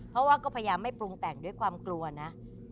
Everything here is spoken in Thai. เพราะว่าก็พยายามไม่ปรุงแต่งด้วยความกลัวนะ